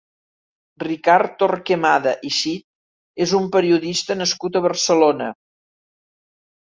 Ricard Torquemada i Cid és un periodista nascut a Barcelona.